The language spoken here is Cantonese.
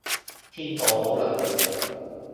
天道好輪迴